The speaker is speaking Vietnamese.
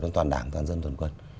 cho toàn đảng toàn dân tuần quân